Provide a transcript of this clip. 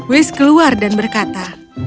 wiz keluar dan berkata